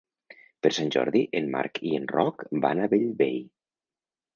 Per Sant Jordi en Marc i en Roc van a Bellvei.